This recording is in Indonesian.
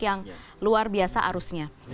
dan menyesuaikan rasa arusnya